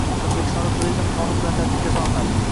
O‘zbekistonda turizm qonun bilan tartibga solinadi